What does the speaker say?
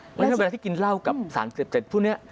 เพราะฉะนั้นเวลาที่กินเหล้ากับสารเสพติดพวกนี้